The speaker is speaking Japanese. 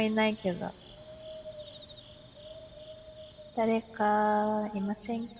誰かいませんか？